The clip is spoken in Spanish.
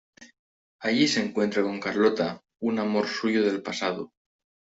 Allí se encuentra con Carlota, un amor suyo del pasado.